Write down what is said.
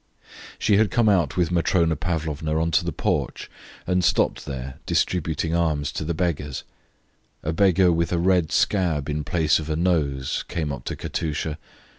She had come out with Matrona Pavlovna on to the porch, and stopped there distributing alms to the beggars. A beggar with a red scab in place of a nose came up to Katusha.